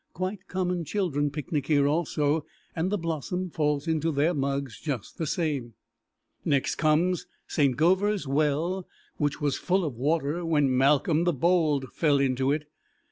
Quite common children picnic here also, and the blossom falls into their mugs just the same. Next comes St. Govor's Well, which was full of water when Malcolm the Bold fell into it.